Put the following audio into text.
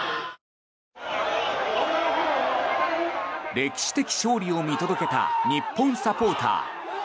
歴史的勝利を見届けた日本サポーター。